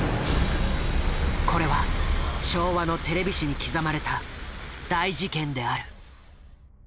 これは昭和のテレビ史に刻まれた大事件である。